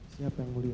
siap yang mulia